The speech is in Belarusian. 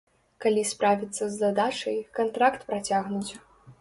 Калі справіцца з задачай, кантракт працягнуць.